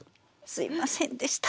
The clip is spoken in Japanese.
「すみませんでした」